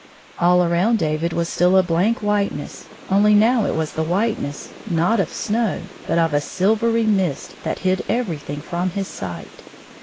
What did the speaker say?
All around David was still a blank whiteness, only now it was the whiteness, not of snow, but of a silvery mist that hid everjrthing fi om his sight.